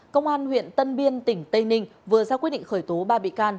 công an huyện tân biên tỉnh tây ninh vừa ra quyết định khởi tố ba bị can